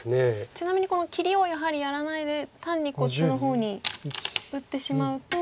ちなみにこの切りをやはりやらないで単にこっちの方に打ってしまうと。